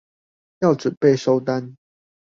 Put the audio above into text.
要準備收單